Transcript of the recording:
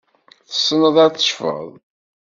Tessneḍ ad tecfeḍ?